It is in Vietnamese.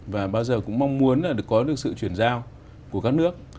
và bao giờ cũng mong muốn là có được sự chuyển giao của các nước